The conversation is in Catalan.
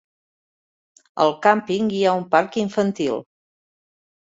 Al càmping hi ha un parc infantil.